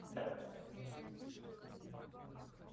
ის დღევანდელი პროვინცია თავისუფალი შტატის წინამორბედია.